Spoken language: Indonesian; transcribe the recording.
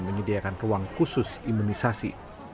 menyediakan ruang khusus imunisasi